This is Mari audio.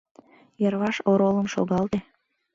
Йырваш оролым шогалте.